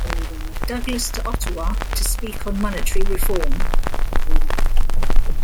Douglas to Ottawa to speak on monetary reform.